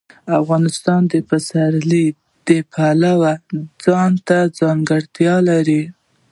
افغانستان د پسرلی د پلوه ځانته ځانګړتیا لري.